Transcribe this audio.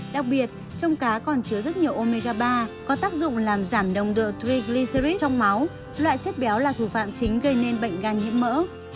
đặc biệt trong cá còn chứa rất nhiều omegaba có tác dụng làm giảm đồng độ riglycid trong máu loại chất béo là thủ phạm chính gây nên bệnh gan nhiễm mỡ